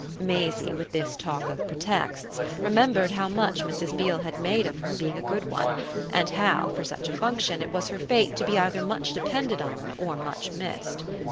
Maisie, with this talk of pretexts, remembered how much Mrs. Beale had made of her being a good one, and how, for such a function, it was her fate to be either much depended on or much missed.